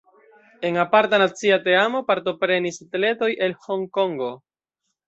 En aparta nacia teamo partoprenis atletoj el Honkongo.